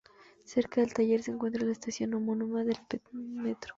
Cerca del taller se encuentra la estación homónima del Premetro.